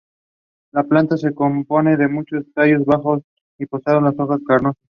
La planta se compone de muchos tallos bajos y postrados con hojas carnosas.